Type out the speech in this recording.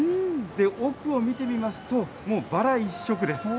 奥を見てみますと、もうバラ一色です。